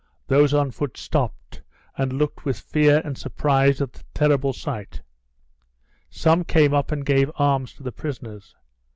Those on foot stopped and looked with fear and surprise at the terrible sight. Some came up and gave alms to the prisoners.